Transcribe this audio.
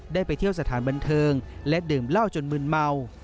ได้ไปเที่ยวสถานบันเทิงและดื่มเหล้าจนมืนเมา